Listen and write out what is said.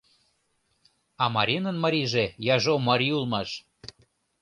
— А Маринан марийже яжо марий улмаш.